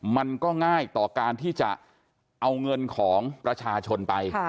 มันก็ง่ายต่อการที่จะเอาเงินของประชาชนไป